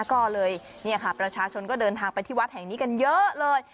ก็เลยเนี่ยค่ะประชาชนก็เดินทางไปที่วัดแห่งนี้กันเยอะเลย